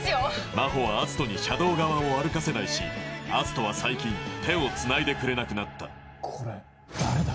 真帆は篤斗に車道側を歩かせないし篤斗は最近手をつないでくれなくなったこれ誰だ？